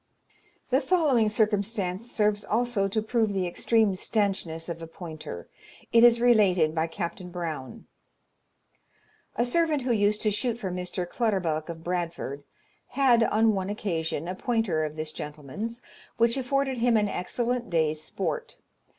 The following circumstance serves also to prove the extreme stanchness of a pointer. It is related by Captain Brown: "A servant who used to shoot for Mr. Clutterbuck of Bradford, had, on one occasion, a pointer of this gentleman's, which afforded him an excellent day's sport.